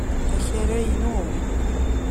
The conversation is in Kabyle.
Akal-a inu.